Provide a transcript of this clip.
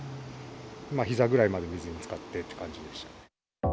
ひざぐらいまで水につかってって感じでした。